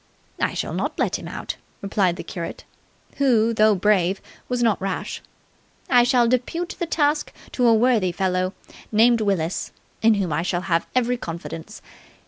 "I shall not let him out," replied the curate, who, though brave, was not rash. "I shall depute the task to a worthy fellow named Willis, in whom I shall have every confidence.